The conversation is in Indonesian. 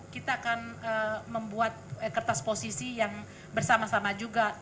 kita akan membuat kertas posisi yang bersama sama juga